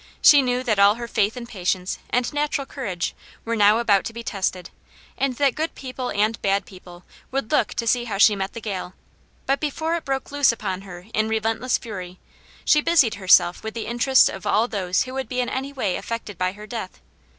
She knew that all her faith and patience, and natural courage, were now about to be tested, and that good people and bad people would look to see how she met the gale. But before it broke loose upon her in relentless fury, she busied herself with the interests of all those who would be in any way affected by her death.